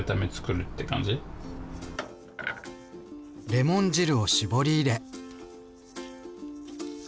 レモン汁を搾り入れ。